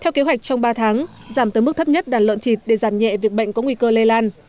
theo kế hoạch trong ba tháng giảm tới mức thấp nhất đàn lợn thịt để giảm nhẹ việc bệnh có nguy cơ lây lan